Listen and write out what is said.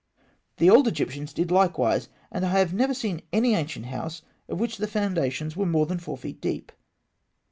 The old Egyptians did likewise; and I have never seen any ancient house of which the foundations were more than four feet deep.